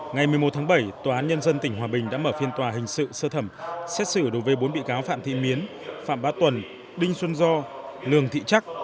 ngày một mươi một tháng bảy tòa án nhân dân tỉnh hòa bình đã mở phiên tòa hình sự sơ thẩm xét xử đối với bốn bị cáo phạm thị miến phạm bát tuần đinh xuân do lường thị trắc